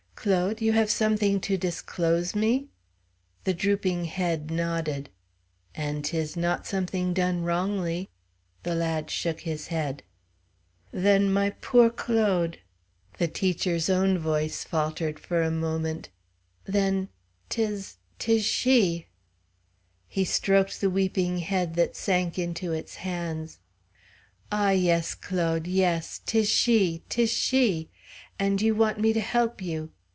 "Claude, you have something to disclose me?" The drooping head nodded. "And 'tis not something done wrongly?" The lad shook his head. "Then, my poor Claude," the teacher's own voice faltered for a moment, "then 'tis 'tis she!" He stroked the weeping head that sank into its hands. "Ah! yes, Claude, yes; 'tis she; 'tis she! And you want me to help you.